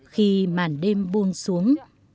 khi màn đêm buông xuống